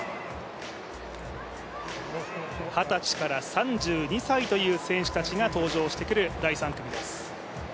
二十歳から３２歳という選手たちが登場してくる第３組です。